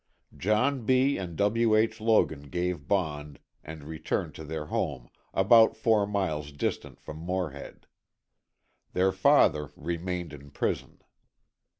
John B. and W. H. Logan gave bond and returned to their home, about four miles distant from Morehead. Their father remained in prison.